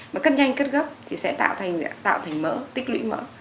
mà cất nhanh cất gấp thì sẽ tạo thành mỡ tích lũy mỡ